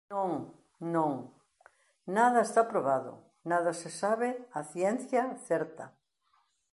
Non, non, nada está probado, nada se sabe a ciencia certa.